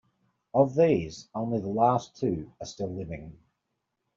Of these, only the last two are still living.